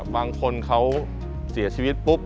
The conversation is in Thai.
บางคนเขาเสียชีวิตปุ๊บ